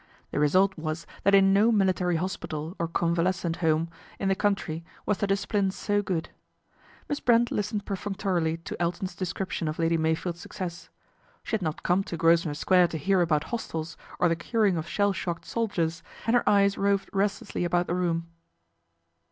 The result was that in no military hospital, or convalescent home, in the country was the discipline so good. Miss Brent listened perfunctorily to Elton's description of Lady Meyfield's success. She had not come to Grosvenor Square to hear about hostels, or the curing of shell shocked soldiers, and her eyes roved restlessly about the room.